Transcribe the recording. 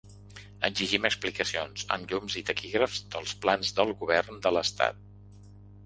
Exigim explicacions amb llums i taquígrafs dels plans del govern de l’estat.